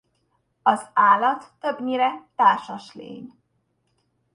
Az állat többnyire társas lény.